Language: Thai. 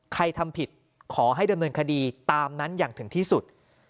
ทำผิดขอให้ดำเนินคดีตามนั้นอย่างถึงที่สุด